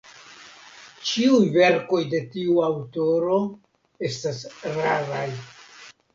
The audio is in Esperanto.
Ĉiuj verkoj de tiu aŭtoro estas raraj.